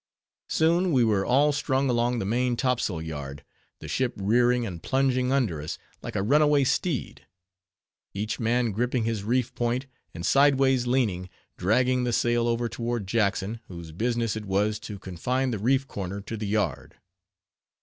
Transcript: Soon, we were all strung along the main topsail yard; the ship rearing and plunging under us, like a runaway steed; each man gripping his reef point, and sideways leaning, dragging the sail over toward Jackson, whose business it was to confine the reef corner to the yard.